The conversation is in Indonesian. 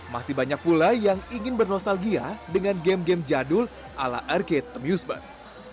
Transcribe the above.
masih banyak pula yang ingin bernostalgia dengan game game jadul ala arcade amusement